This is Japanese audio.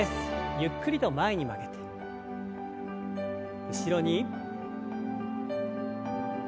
ゆっくりと前に曲げて後ろに。